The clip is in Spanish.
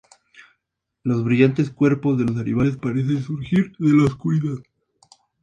Los brillantes cuerpos de los animales parecen surgir de la oscuridad.